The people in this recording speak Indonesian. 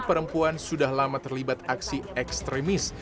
perempuan sudah lama terlibat aksi ekstremis